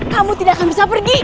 kamu tidak akan bisa pergi